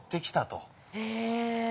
へえ。